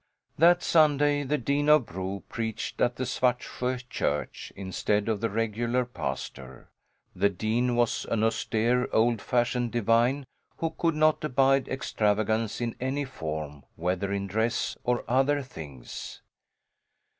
That Sunday the Dean of Bro preached at the Svartsjö church, instead of the regular pastor. The dean was an austere, old fashioned divine who could not abide extravagance in any form, whether in dress or other things.